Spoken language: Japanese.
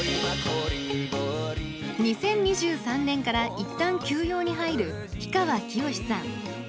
２０２３年から一旦休養に入る氷川きよしさん。